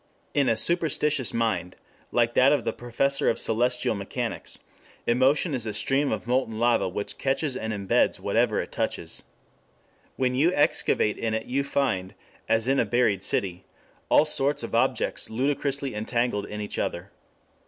In a superstitious mind, like that of the Professor of Celestial Mechanics, emotion is a stream of molten lava which catches and imbeds whatever it touches. When you excavate in it you find, as in a buried city, all sorts of objects ludicrously entangled in each other.